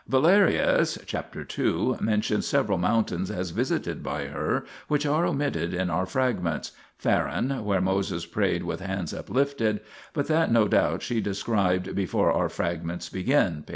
Valerius (chap, ii.), mentions several mountains as visited by her, which are omitted in our fragments : Faran, where Moses prayed with hands uplifted, but that no doubt she described before our fragments begin (p.